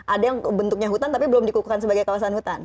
ada yang bentuknya hutan tapi belum dikukuhkan sebagai kawasan hutan